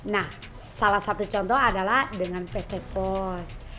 nah salah satu contoh adalah dengan pt pos